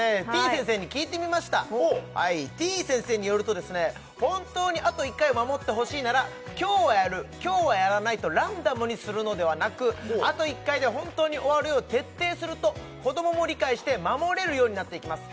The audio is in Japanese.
先生に聞いてみましたてぃ先生によると本当にあと１回を守ってほしいなら今日はやる今日はやらないとランダムにするのではなくあと１回で本当に終わるよう徹底すると子どもも理解して守れるようになっていきます